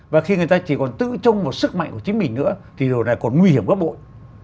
và khi người ta chỉ còn tự trông vào sức mạnh của chính mình nữa thì điều này còn nguy hiểm góp bội